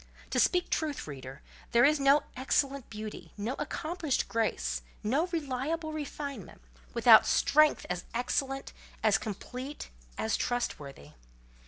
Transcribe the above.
To speak truth, reader, there is no excellent beauty, no accomplished grace, no reliable refinement, without strength as excellent, as complete, as trustworthy.